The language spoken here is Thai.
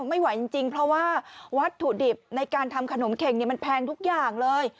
ไม่ไหวจริงเพราะว่าวัตถุดิบในการทำขนมเข็งมันแพงทุกอย่างเลย